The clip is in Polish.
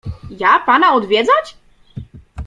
— Ja pana odwiedzać?